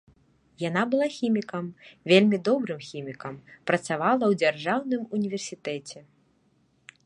Яна была хімікам, вельмі добрым хімікам, працавала ў дзяржаўным універсітэце.